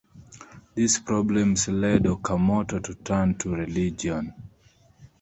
These problems led Okamoto to turn to religion.